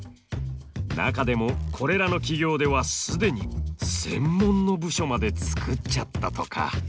中でもこれらの企業では既に専門の部署まで作っちゃったとか。